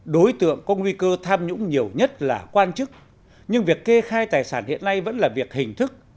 đối tượng có nguy cơ tham nhũng nhiều nhất là quan chức nhưng việc kê khai tài sản hiện nay vẫn là việc hình thức